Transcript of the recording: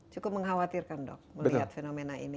cukup mengkhawatirkan dok melihat fenomena ini